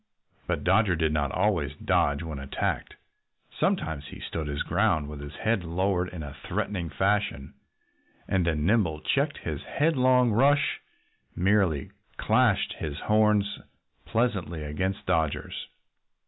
But Dodger did not always dodge when attacked. Sometimes he stood his ground, with his own head lowered in a threatening fashion. And then Nimble checked his headlong rush and merely clashed his horns pleasantly against Dodger's.